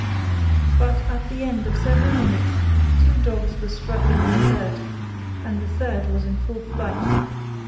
But at the end of several minutes two dogs were struggling in the dirt and the third was in full flight.